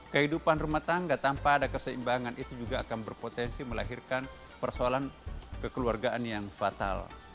kehidupan rumah tangga tanpa ada keseimbangan itu juga akan berpotensi melahirkan persoalan kekeluargaan yang fatal